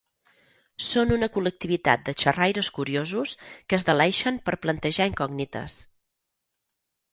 Són una col·lectivitat de xerraires curiosos que es deleixen per plantejar incògnites.